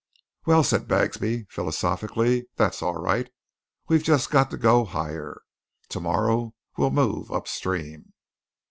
"Well," said Bagsby philosophically, "that's all right. We've just got to go higher. To morrow we'll move upstream."